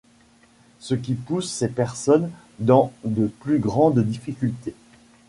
Ce qui pousse ces personnes dans de plus grandes difficultés.